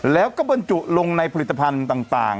แล้วก็บรรจุลงในผลิตภัณฑ์ต่าง